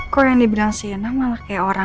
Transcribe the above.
kok yang dibilang sina malah kayak orang